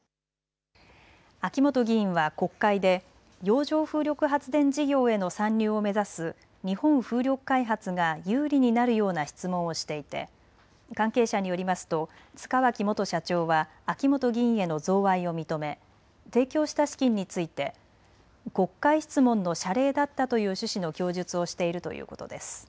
秋本議員は国会で洋上風力発電事業への参入を目指す日本風力開発が有利になるような質問をしていて関係者によりますと塚脇元社長は秋本議員への贈賄を認め提供した資金について国会質問の謝礼だったという趣旨の供述をしているということです。